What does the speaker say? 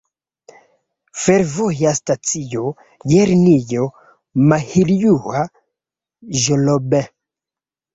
Fervoja stacio je linio Mahiljoŭ-Ĵlobin.